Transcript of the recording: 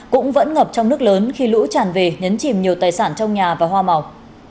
cũng vẫn ngập trong nước lớn khi lũ tràn về nhấn chìm nhiều tài sản trong nhà và hoa màu